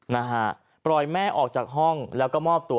นะฮะปล่อยแม่ออกจากห้องแล้วก็มอบตัว